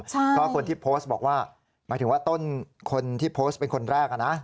เพราะคนที่โพสต์บอกว่าหมายถึงว่าต้นคนที่โพสต์เป็นคนแรกนะ